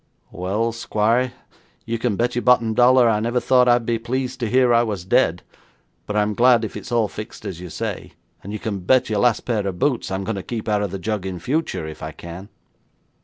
'Well, squire, you can bet your bottom dollar I never thought I'd be pleased to hear I was dead, but I'm glad if it's all fixed as you say, and you can bet your last pair of boots I'm going to keep out of the jug in future if I can.'